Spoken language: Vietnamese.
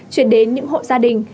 chuyển đến những hộ gia đình